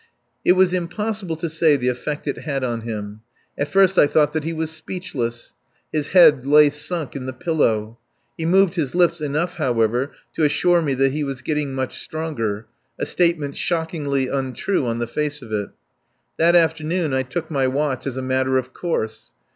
It was impossible to say the effect it had on him. At first I thought that he was speechless. His head lay sunk in the pillow. He moved his lips enough, however, to assure me that he was getting much stronger; a statement shockingly untrue on the face of it. That afternoon I took my watch as a matter of course.